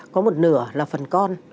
có một nửa là phần con